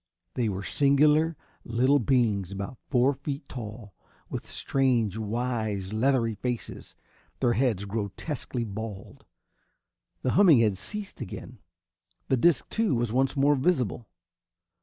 They were singular little beings about four feet tall, with strange, wise, leathery faces, their heads grotesquely bald. The humming had ceased again. The disc, too, was once more visible.